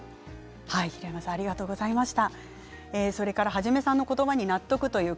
平山さんありがとうございました。